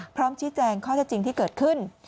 พร้อมชี้แจงข้อเท็จจริงที่เกิดขึ้น